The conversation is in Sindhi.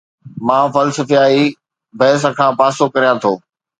مان فلسفياڻي بحث کان پاسو ڪريان ٿو